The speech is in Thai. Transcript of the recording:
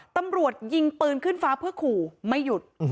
ตำรวจยิงปืนขึ้นฟ้าเพื่อขู่ไม่หยุด